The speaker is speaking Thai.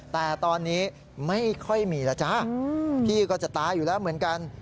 แต่ตอนนี้ไม่ค่อยมีแล้วจ้าพี่ก็จะตายอยู่แล้วเหมือนกัน